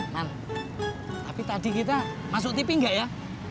nah tapi tadi kita masuk tv nggak ya